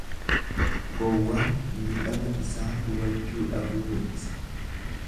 Gowwaan miidhama isaa hubachuu dhabuu mul'isa.